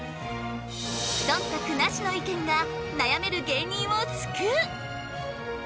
そんたくなしの意見が悩める芸人を救う！